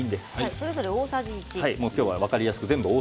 それぞれ大さじ１です。